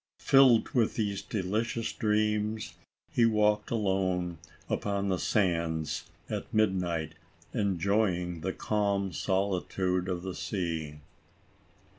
Filled with these delicious dreams, he walked alone upon the sands at midnight, enjoying the calm solitude of the sea.